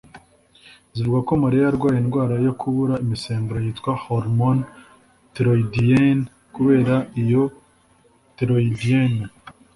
zivuga ko Maria yarwaye indwara yo kubura imisemburo yitwa (hormone thyroïdienne) kubera iyo thyroïdienne